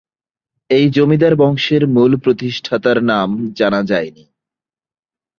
এই জমিদার বংশের মূল প্রতিষ্ঠাতার নাম জানা যায়নি।